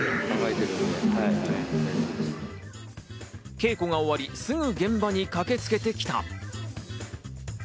稽古が終わり、すぐ現場に駆けつけてきた。